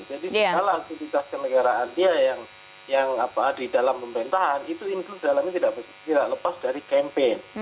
jadi segala aktivitas kenegaraan dia yang di dalam pemerintahan itu includes dalamnya tidak lepas dari campaign